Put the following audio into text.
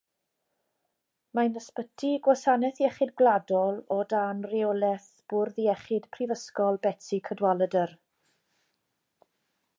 Mae'n ysbyty Gwasanaeth Iechyd Gwladol o dan reolaeth Bwrdd Iechyd Prifysgol Betsi Cadwaladr.